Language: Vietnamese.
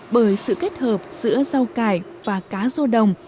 bởi sự kết hợp giữa rau cải và cá rô đồng